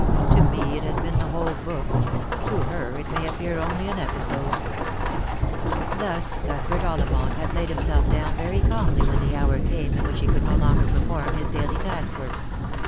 To me it has been the whole book ; to her it may appear only an episode." Thus Cuthbert Ollivant had laid himself down very calmly when the hour came in which he could no longer perform his daily task work.